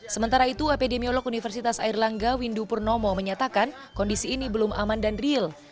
sementara itu epidemiolog universitas airlangga windu purnomo menyatakan kondisi ini belum aman dan real